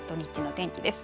土日の天気です。